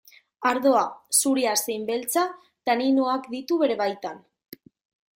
Ardoa, zuria zein beltza, taninoak ditu bere baitan.